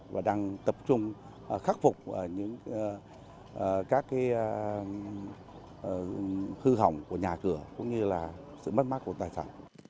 và đang tập trung khắc phục những các hư hỏng của nhà cửa cũng như là sự mất mát của tài sản